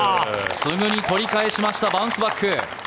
すぐに取り返しましたバウンスバック！